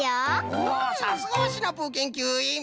おおさすがはシナプーけんきゅういん！